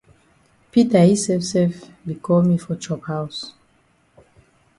Peter yi sef sef be call me for chop haus.